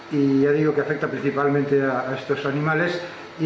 dan saya bilang bahwa ini berpengaruh pada manusia